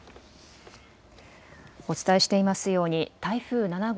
お伝えしていますように台風７号